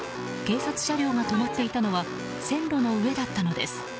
警察車両が止まっていたのは線路の上だったのです。